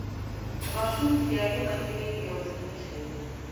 د ماشوم خیالي ملګری یو ذهني شی دی.